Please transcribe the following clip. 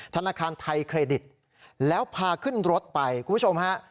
ธนาคารไทยเครดิตแล้วพาขึ้นรถไปคุณผู้ชมฮะ